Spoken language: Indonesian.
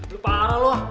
lo parah lo ah